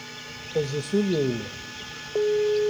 Ez ji Sûriyeyê me.